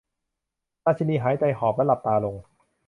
ราชีนีหายใจหอบและหลับตาลง